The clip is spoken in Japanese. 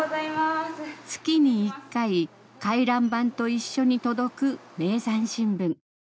月に１回回覧板と一緒に届く『名山新聞』。